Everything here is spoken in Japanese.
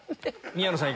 宮野さん